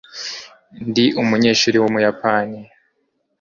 ndi umunyeshuri wumuyapani